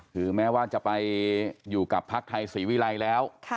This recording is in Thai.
คือแม้ว่าจะไปอยู่กับพักไทยศรีวิรัยแล้ว